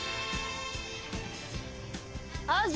アジ。